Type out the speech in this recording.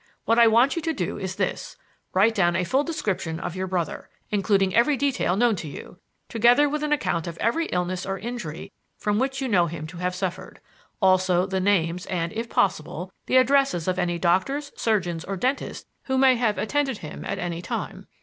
What I want you to do is this: Write down a full description of your brother, including every detail known to you, together with an account of every illness or injury from which you know him to have suffered; also the names and, if possible, the addresses of any doctors, surgeons, or dentists who may have attended him at any time.